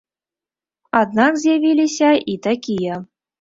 Аднак з'явіліся і такія.